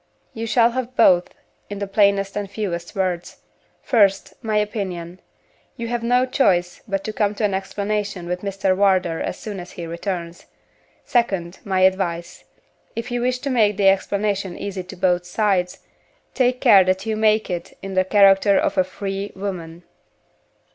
"You shall have both in the plainest and fewest words. First, my opinion: You have no choice but to come to an explanation with Mr. Wardour as soon as he returns. Second, my advice: If you wish to make the explanation easy to both sides, take care that you make it in the character of a free woman."